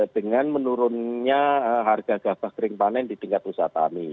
dengan menurunnya harga gabah kering panen di tingkat usaha tani